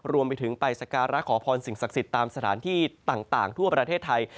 รวมไปถึงไปสการะขอพรสิ่งศักดิ์สิทธิ์ตามสถานที่ต่างทั่วประเทศไทย